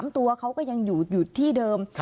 ตัวเขาก็ยังอยู่ที่เดิม